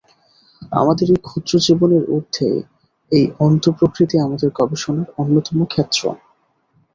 আমাদের এই ক্ষুদ্র জীবনের ঊর্ধ্বে এই অন্তঃপ্রকৃতি আমাদের গবেষণার অন্যতম ক্ষেত্র।